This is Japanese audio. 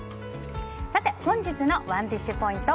本日のＯｎｅＤｉｓｈポイント